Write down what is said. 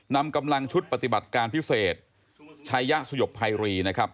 นำกำลังชุดปฏิบัติการพิเศษชายะสยบภัยรีนะครับ